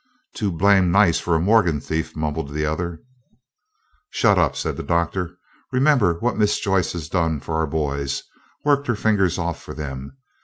"Too blame nice for a Morgan thief," mumbled the other. "Shut up," said the Doctor; "remember what Miss Joyce has done for our boys. Worked her fingers off for them.